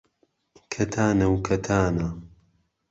کهتانه و کهتانه